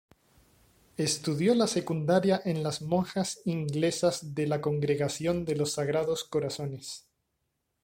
Estudió la secundaria en las Monjas Inglesas de la Congregación de los Sagrados Corazones.